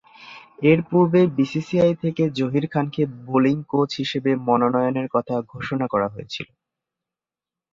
এরপূর্বে বিসিসিআই থেকে জহির খানকে বোলিং কোচ হিসেবে মনোনয়নের কথা ঘোষণা করা হয়েছিল।